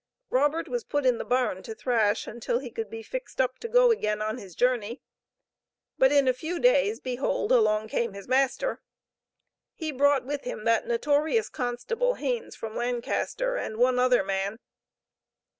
Robert was put in the barn to thrash, until he could be fixed up to go again on his journey. But in a few days, behold, along came his master. He brought with him that notorious constable, Haines, from Lancaster, and one other man.